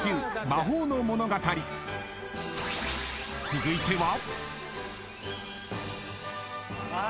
［続いては］